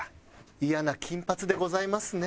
イヤな金髪でございますね。